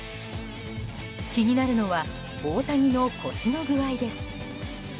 気になるのは大谷の腰の具合です。